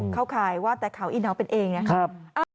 ข่ายว่าแต่เขาอีน้องเป็นเองนะครับ